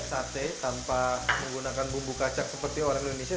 lem sate tanpa menggunakan bumbu kacang seperti orang indonesia